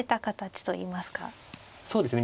そうですね。